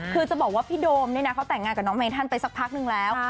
คือจะบอกว่าพี่โดมเนี่ยนะเขาแต่งงานกับน้องเมธันไปสักพักนึงแล้ว